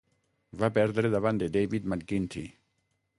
Va perdre davant de David McGuinty.